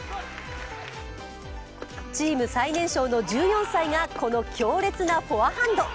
チーム最年少の１４歳が、この強烈なフォアハンド。